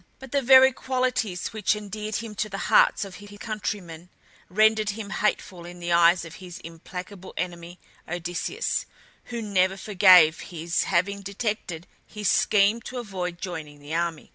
But the very qualities which endeared him to the hearts of his countrymen rendered him hateful in the eyes of his implacable enemy, Odysseus, who never forgave his having detected his scheme to avoid joining the army.